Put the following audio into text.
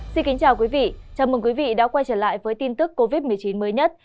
xin kính chào quý vị chào mừng quý vị đã quay trở lại với tin tức covid một mươi chín mới nhất